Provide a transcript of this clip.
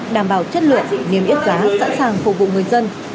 đảm bảo chất lượng niêm yếp giá sẵn sàng phục vụ người dân